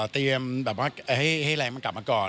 แบบว่าให้แรงมันกลับมาก่อน